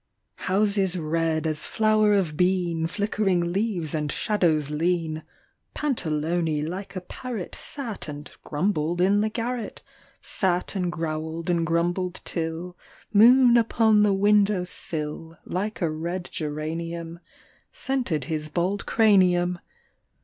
1 HOUSES red as flower of bean, Flickering leaves and shadows lean ! Pantalone like a parrot Sat and grumbled in the garret, Sat and growled and grumbled till Moon upon the window sill Like a red geranium Scented his bald cranium.